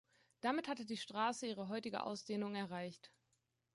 Damit hatte die Straße ihre heutige Ausdehnung erreicht.